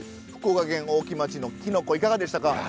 福岡県大木町のきのこいかがでしたか。